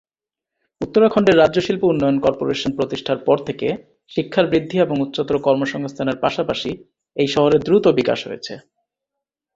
উত্তরাখণ্ডের রাজ্য শিল্প উন্নয়ন কর্পোরেশন প্রতিষ্ঠার পর থেকে, শিক্ষার বৃদ্ধি এবং উচ্চতর কর্মসংস্থানের পাশাপাশি এই শহরের দ্রুত বিকাশ হয়েছে।